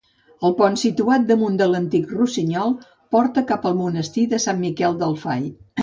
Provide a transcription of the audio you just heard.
El pont situat damunt l'antic Rossinyol, porta cap al monestir de Sant Miquel del Fai.